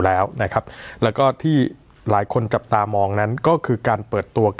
แล้วนะครับแล้วก็ที่หลายคนจับตามองนั้นก็คือการเปิดตัว